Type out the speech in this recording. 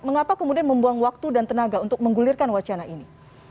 mengapa kemudian membuang waktu dan tenaga untuk menggulirkan wacana ini